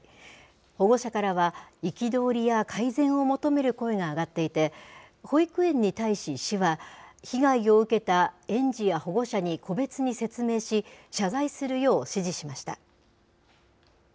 保護者からは、憤りや改善を求める声が上がっていて、保育園に対し、市は、被害を受けた園児や保護者に個別に説明し、謝罪するよう指示しました。